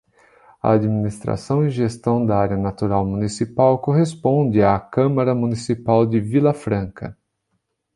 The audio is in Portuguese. A administração e gestão da área natural municipal corresponde à Câmara Municipal de Vilafranca.